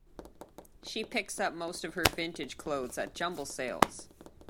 She picks up most of her vintage clothes at jumble sales